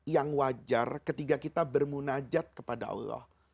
yang wajar ketika kita bermunajat kepada allah